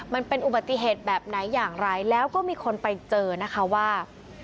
มันเป็นอุบัติเหตุแบบไหนอย่างไรแล้วก็มีคนไปเจอนะคะว่า